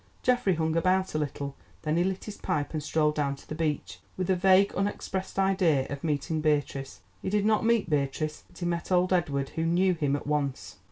Geoffrey hung about a little, then he lit his pipe and strolled down to the beach, with a vague unexpressed idea of meeting Beatrice. He did not meet Beatrice, but he met old Edward, who knew him at once.